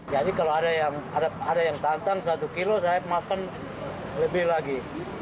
jadi kalau ada yang tantang satu kilo saya makan lebih lagi